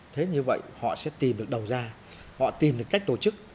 thế như vậy họ sẽ tìm được đầu ra họ tìm được cách tổ chức